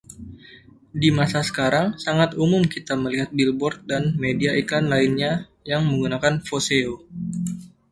Di masa sekarang, sangat umum kita melihat billboard dan media iklan lainnya yang menggunakan "voseo".